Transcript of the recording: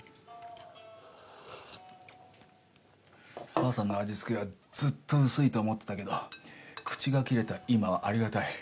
母さんの味付けはずっと薄いと思ってたけど口が切れた今はありがたい。